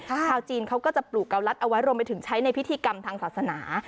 ชาวจีนเขาก็จะปลูกเกาลัดเอาไว้รวมไปถึงใช้ในพิธีกรรมทางศาสนา